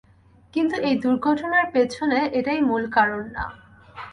কিন্তু এই দুর্ঘটনার পেছনে এটাই মূল কারণ না।